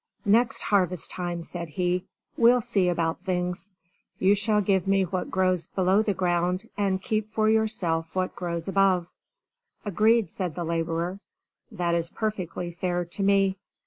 "Next harvest time," said he, "we'll see about things! You shall give me what grows below the ground and keep for yourself what grows above." "Agreed," said the laborer. "That is perfectly fair to me."